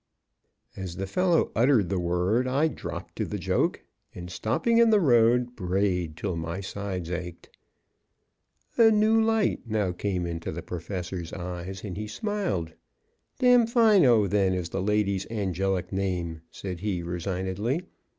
As the fellow uttered the word, I dropped to the joke and, stopping in the road, brayed till my sides ached. A new light now came into the Professor's eyes, and he smiled. "Damfino, then, is the lady's angelic name," said he resignedly.